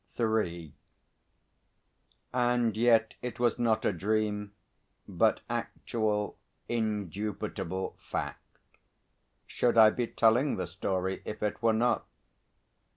III And yet it was not a dream, but actual, indubitable fact. Should I be telling the story if it were not?